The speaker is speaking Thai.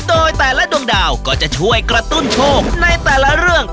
โดยแต่ละดวงดาวก็จะช่วยกระตุ้นโชคในแต่ละเรื่อง